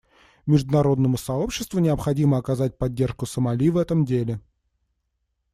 Международному сообществу необходимо оказать поддержку Сомали в этом деле.